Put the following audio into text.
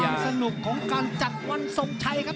คือความสนุกของการจัดวันทรงชัยครับ